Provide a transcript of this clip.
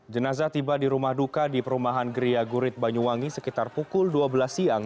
jenazah tiba di rumah duka di perumahan geria gurit banyuwangi sekitar pukul dua belas siang